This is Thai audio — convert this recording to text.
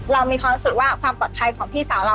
เรามีความรู้สึกว่าความปลอดภัยของพี่สาวเรา